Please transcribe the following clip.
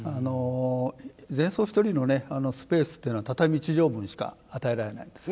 禅僧１人のスペースというのは畳１畳分しか与えられないんです。